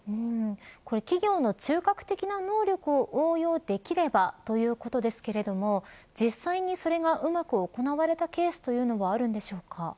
企業の中核的な能力を応用できればということですが実際にそれがうまく行われたケースというものはあるんでしょうか。